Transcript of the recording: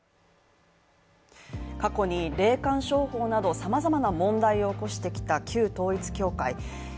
過去に霊感商法などさまざまな問題を起こしてきた旧統一教会。